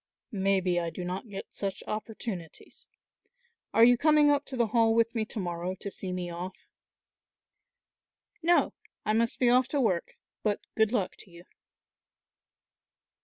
"Maybe I do not get such opportunities; are you coming up to the Hall with me to morrow to see me off?" "No, I must be off to work, but good luck to you."